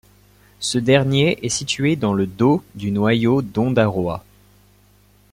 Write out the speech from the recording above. Ce dernier est situé dans le dos du noyau d'Ondarroa.